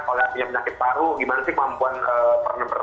kalau punya penyakit paru gimana sih kemampuan pernafasannya